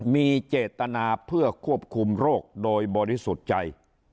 มีเจตนาเพื่อควบคุมโรคโดยบริสุทธิ์ใจ